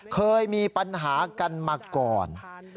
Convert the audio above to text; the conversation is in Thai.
เคยมีปัญหากันมาก่อน